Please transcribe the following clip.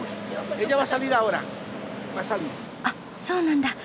あっそうなんだ。